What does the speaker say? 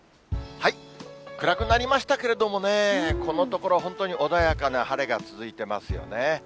暗くなりましたけれどもね、このところ、本当に穏やかな晴れが続いてますよね。